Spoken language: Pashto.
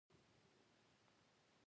پانګوال په صنعت کې وحشیانه سیالي کوي